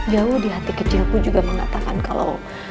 jauh di hati kecilku juga mengatakan kalau